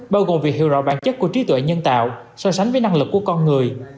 bao gồm việc hiểu rõ bản chất của trí tuệ nhân tạo so sánh với năng lực của con người